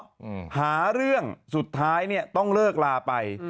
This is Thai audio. ถ้าเริ่มทะเลาะหาเรื่องสุดท้ายเราต้องเลิกลาไป